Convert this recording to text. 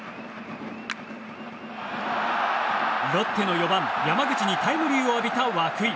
ロッテの４番、山口にタイムリーを浴びた涌井。